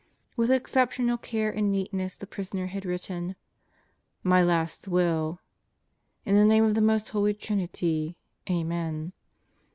With exceptional care and neatness the prisoner had written: MY LAST WILL In the name of the Most Holy Trinity. Amen.